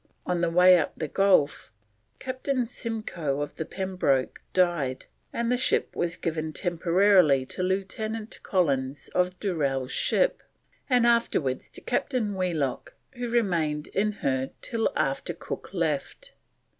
On the way up the Gulf, Captain Simcoe of the Pembroke died, and the ship was given temporarily to Lieutenant Collins of Durell's ship, and afterwards to Captain Wheelock, who remained in her till after Cook left.